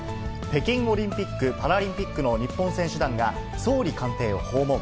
北京オリンピック・パラリンピックの日本選手団が、総理官邸を訪問。